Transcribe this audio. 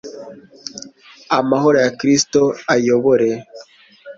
amahoro ya Kristo ayobore